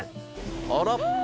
あら！